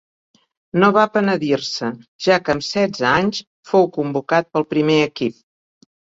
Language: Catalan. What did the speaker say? No va penedir-se, ja que amb setze anys fou convocat pel primer equip.